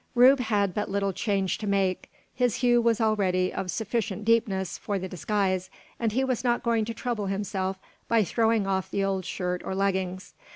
Rube had but little change to make. His hue was already of sufficient deepness for the disguise, and he was not going to trouble himself by throwing off the old shirt or leggings.